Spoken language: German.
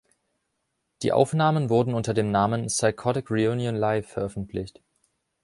Die Aufnahmen wurden unter dem Namen "Psychotic Reunion Live" veröffentlicht.